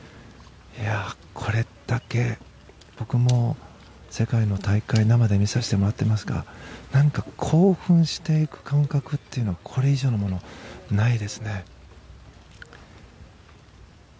これだけ僕も世界の大会を生で見させてもらっていますが興奮していく感覚というのはこれ以上のもの、ないですね。